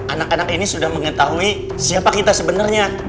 anak anak ini sudah mengetahui siapa kita sebenarnya